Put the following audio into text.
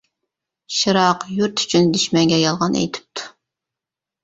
شىراق يۇرت ئۈچۈن دۈشمەنگە يالغان ئېيتىپتۇ.